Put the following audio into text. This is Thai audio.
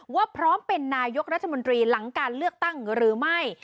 พร้อมเป็นนายกรัฐมนตรีหลังการเลือกตั้งหรือไม่